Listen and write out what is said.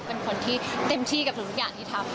เป็นคนที่เต็มที่กับทุกอย่างที่ทำ